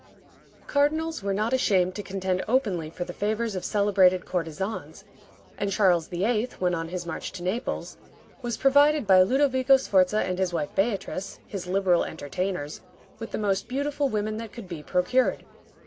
Cardinals were not ashamed to contend openly for the favors of celebrated courtesans, and Charles VIII., when on his march to Naples, was provided by Ludovico Sforza and his wife Beatrice, his liberal entertainers, with the most beautiful women that could be procured.